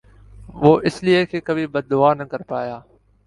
وُہ اس لئے کہ کبھی بد دُعا نہ کر پایا